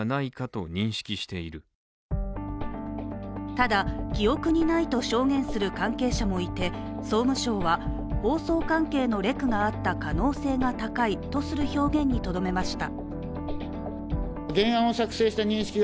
ただ、記憶にないと証言する関係者もいて総務省は放送関係のレクがあった可能性が高いとする表現にとどめました。